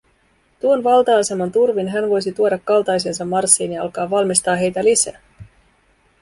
Tuon valta-aseman turvin hän voisi tuoda kaltaisensa Marssiin ja alkaa valmistaa heitä lisää.